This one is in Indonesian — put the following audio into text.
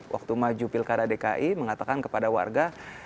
waktu maju pilkada dki mengatakan kepada warga